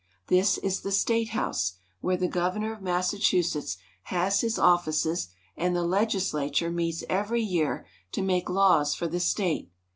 This is the statehouse, where the governor of Massachusetts has his offices and the legislature meets every year to make laws for the state.